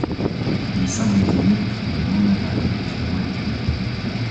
Il symbolise un électron non appareillé sur la molécule.